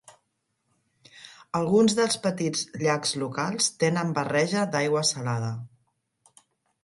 Alguns dels petits llacs locals tenen barreja d'aigua salada.